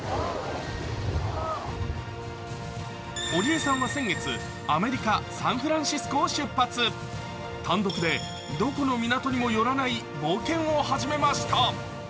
堀江さんは先月アメリカ・サンフランシスコを出発単独で、どこの港にも寄らない冒険を始めました。